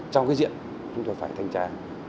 trong cái diện chúng tôi phải thanh tra